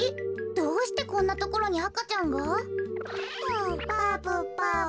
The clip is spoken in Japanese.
どうしてこんなところにあかちゃんが？ばぶばぶ。